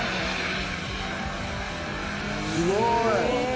すごい！